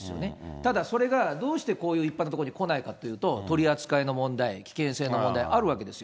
ただ、それがどうしてこういう一般のところに来ないかというと、取り扱いの問題、危険性の問題、あるわけですよ。